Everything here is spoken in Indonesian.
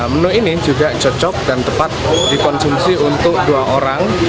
menu ini juga cocok dan tepat dikonsumsi untuk dua orang